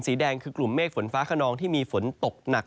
แดงคือกลุ่มเมฆฝนฟ้าขนองที่มีฝนตกหนัก